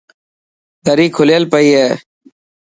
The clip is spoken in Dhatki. دري کليل پئي هي.